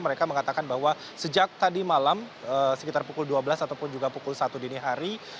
mereka mengatakan bahwa sejak tadi malam sekitar pukul dua belas ataupun juga pukul satu dini hari